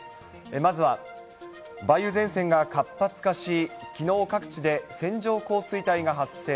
まずは、梅雨前線が活発化し、きのう、各地で線状降水帯が発生。